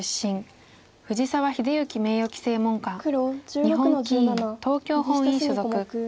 日本棋院東京本院所属。